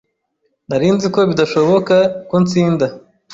Nari nzi ko bidashoboka ko ntsinda.